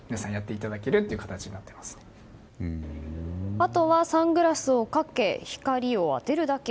あとはサングラスをかけ光を当てるだけ。